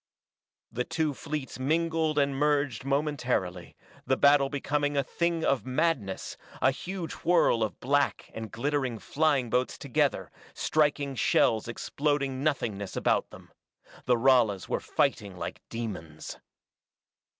The two fleets mingled and merged momentarily, the battle becoming a thing of madness, a huge whirl of black and glittering flying boats together, striking shells exploding nothingness about them. The Ralas were fighting like demons.